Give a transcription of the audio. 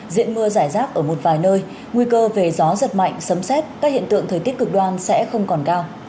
diện mưa giải rác ở một vài nơi nguy cơ về gió giật mạnh sấm xét các hiện tượng thời tiết cực đoan sẽ không còn cao